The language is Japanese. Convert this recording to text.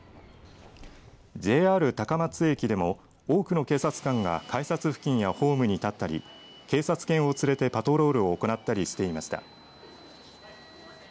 ＪＲ高松駅でも多くの警察官が改札付近やホームに立ったり警察犬を連れてパトロールを行ったりしていました。